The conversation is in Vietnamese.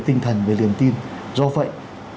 tinh thần về niềm tin do vậy